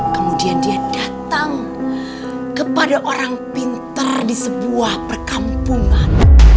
kemudian dia datang kepada orang pintar di sebuah perkampungan